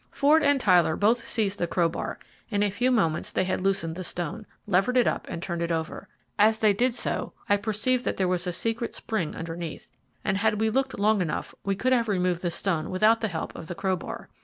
Ford and Tyler both seized the crowbar. In a few moments they had loosened the stone, levered it up, and turned it over. As they did so, I perceived that there was a secret spring underneath, and had we looked long enough we could have removed the stone without the help of the crowbar.